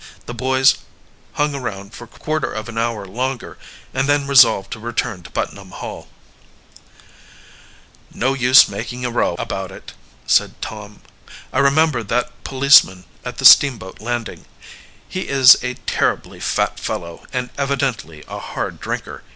The boys hung around for quarter of an hour longer, and then resolved to return to Putnam Hall. "No use of making a row about it," said Tom. "I remember that policeman at the steamboat landing. He is a terribly fat fellow and evidently a hard drinker.